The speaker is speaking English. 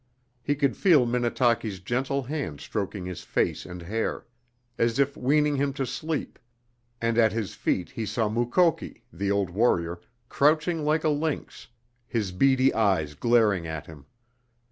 He could feel Minnetaki's gentle hand stroking his face and hair, as if weaning him to sleep, and at his feet he saw Mukoki, the old warrior, crouching like a lynx, his beady eyes glaring at him.